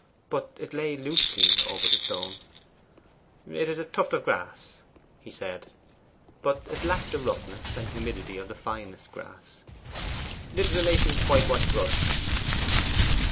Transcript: But it lay loosely over the stone. 'It is a tuft of grass,' he said. But it lacked the roughness and humidity of the finest grass. 'It is a mason's whitewash brush.